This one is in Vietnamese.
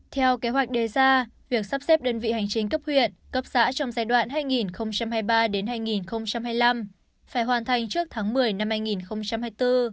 theo kế hoạch đề ra việc sắp xếp đơn vị hành chính cấp huyện cấp xã trong giai đoạn hai nghìn hai mươi ba hai nghìn hai mươi năm phải hoàn thành trước tháng một mươi năm hai nghìn hai mươi bốn